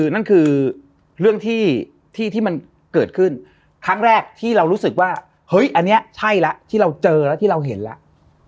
นั่นคือเรื่องที่มันเกิดขึ้นครั้งแรกที่เรารู้สึกว่าเฮ้ยอันนี้ใช่แล้วที่เราเจอแล้วที่เราเห็นแล้ว